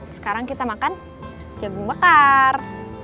sekarang kita makan jagung bakar